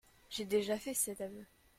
J'ai déjà fait cet aveu.